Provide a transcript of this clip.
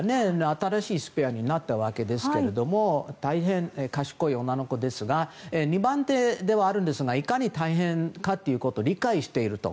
新しいスペアになったわけですけども大変賢い女の子ですが２番手ではあるんですがいかに大変かということを理解していると。